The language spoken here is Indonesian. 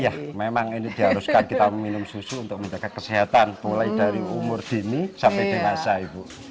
ya memang ini diharuskan kita meminum susu untuk menjaga kesehatan mulai dari umur dini sampai dewasa ibu